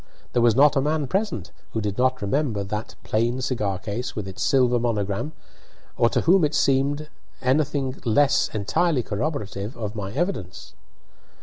There was not a man present who did not remember that plain cigar case with its silver monogram, or to whom it seemed anything less entirely corroborative of my evidence.